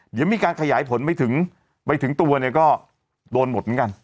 หรือมีการขยายผลไปถึงตัวก็โดนหมดเหมือนกัน